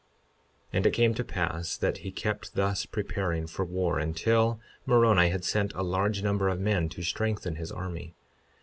52:7 And it came to pass that he kept thus preparing for war until Moroni had sent a large number of men to strengthen his army.